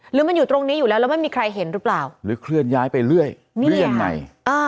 หรือมันอยู่ตรงนี้อยู่แล้วแล้วไม่มีใครเห็นหรือเปล่าหรือเคลื่อนย้ายไปเรื่อยหรือยังไง